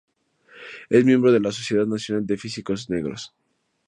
Es miembro de la Sociedad Nacional de Físicos Negros.